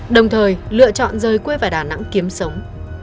đồng thời lựa chọn rời quê vào đà nẵng kiếm sống